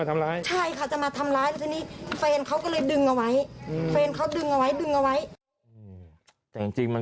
ขอบคุณครับ